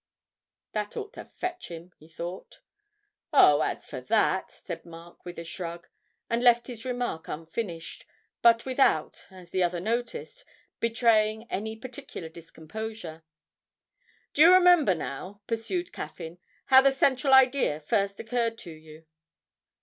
('That ought to fetch him,' he thought.) 'Oh, as for that,' said Mark with a shrug, and left his remark unfinished, but without, as the other noticed, betraying any particular discomposure. 'Do you remember, now,' pursued Caffyn, 'how the central idea first occurred to you?'